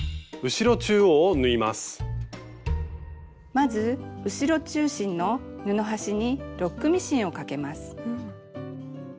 まず後ろ中心の布端にロックミシンをかけます。